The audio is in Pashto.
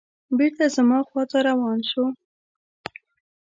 بېرته زما خواته روان شو.